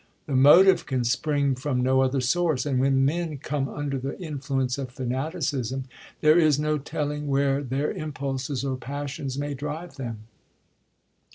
The motive can spring from no other source, and when men come under the influence of fanaticism, there is no telling where their impulses or passions may drive them.